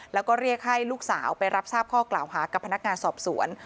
แล้วก็เรียกให้ลูกสาวไปรับทราบข้อกล่าวหากับพนักงานสอบสวน